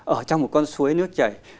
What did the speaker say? ở trong một con suối nước chảy